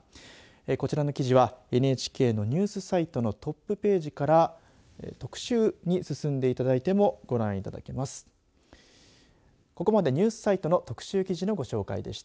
こちらの記事はＮＨＫのニュースサイトのトップページから特集に進んでいただいてもご覧いただけます。